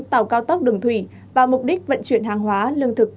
tàu cao tốc đường thủy và mục đích vận chuyển hàng hóa lương thực